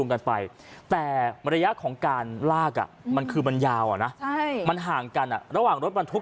รับไปแต่ระยะของการรากอ่ะมันคือมันยาวอ่ะนะมันห่างกันอ่ะระหว่างรถมันทรุก